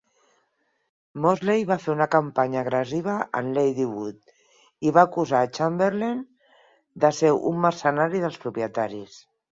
Mosley va fer una campanya agressiva en Ladywood i va acusar Chamberlain de ser un "mercenari dels propietaris".